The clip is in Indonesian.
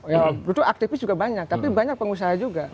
ya betul aktivis juga banyak tapi banyak pengusaha juga